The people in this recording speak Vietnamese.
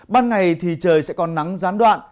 ban ngày thì trời sẽ còn nắng gián đoạn